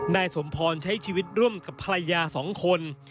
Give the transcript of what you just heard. นายสมพรใช้ชีวิตร่วมกับภรรยา๒คน